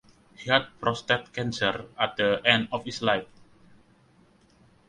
He had prostate cancer at the end of his life.